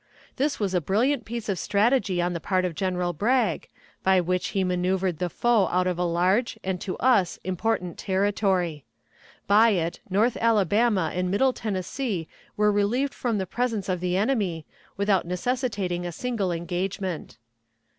This was a brilliant piece of strategy on the part of General Bragg, by which he manoeuvered the foe out of a large and to us important territory. By it north Alabama and Middle Tennessee were relieved from the presence of the enemy, without necessitating a single engagement.